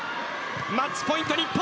マッチポイント、日本。